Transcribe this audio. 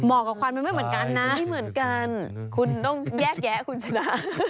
เหมาะกับควันมันไม่เหมือนกันนะคุณต้องแยกแยะคุณชนะ